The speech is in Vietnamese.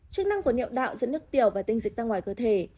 chức năng của nhậu đạo dẫn nước tiểu và tinh dịch ra ngoài cơ thể